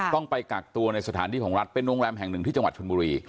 ต้องไปกักตัวในสถานที่ของรัฐเป็นโรงแรมแห่งหนึ่งที่จังหวัดชนบุรี